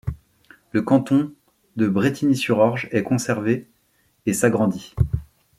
Le canton de Brétigny-sur-Orge est conservé et s'agrandit.